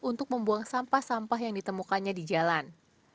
untuk membuang sampah sampah yang ditemukannya di jalan